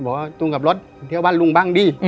บอกว่าลุงกลับรถเที่ยวบ้านลุงบ้างดิ